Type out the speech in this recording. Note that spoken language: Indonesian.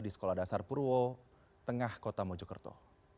di sekolah dasar purwo tengah kota mojokerto